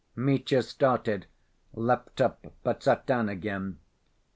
Mitya started, leapt up, but sat down again.